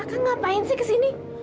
akang ngapain sih kesini